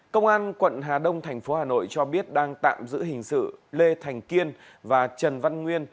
công an quận hà đông thành phố hà nội cho biết đang tạm giữ hình sự lê thành kiên và trần văn nguyên